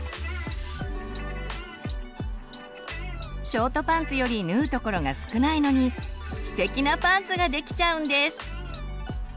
ショートパンツより縫うところが少ないのにステキなパンツができちゃうんです！